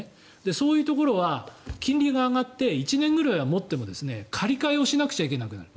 そういうところは金利が上がって１年ぐらいは持っても借り換えをしなきゃいけなくなる。